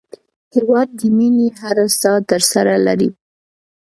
هېواد د مینې هره ساه درسره لري.